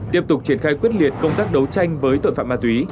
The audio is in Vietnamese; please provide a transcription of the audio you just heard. tiếp tục triển khai quyết liệt công tác đấu tranh với tội phạm ma túy